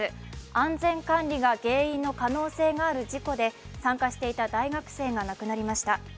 安全管理が原因の可能性がある事故で参加していた大学生が亡くなりました。